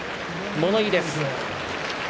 物言いです。